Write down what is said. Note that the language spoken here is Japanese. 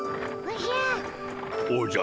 おじゃ。